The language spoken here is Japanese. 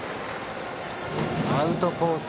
アウトコース